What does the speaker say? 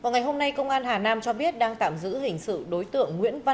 ngày hôm nay công an hà nam cho biết đang tạm giữ hình sự đối tượng nguyễn văn